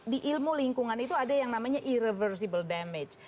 di ilmu lingkungan itu ada yang namanya irreversible damage